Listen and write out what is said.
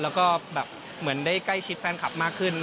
แล้วก็แบบเหมือนได้ใกล้ชิดแฟนคลับมากขึ้น